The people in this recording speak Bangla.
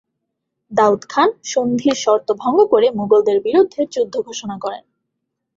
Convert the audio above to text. দাউদ খান সন্ধির শর্ত ভঙ্গ করে মুগলদের বিরুদ্ধে যুদ্ধ ঘোষণা করেন।